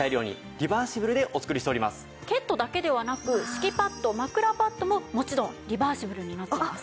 ケットだけではなく敷きパッド枕パッドももちろんリバーシブルになっています。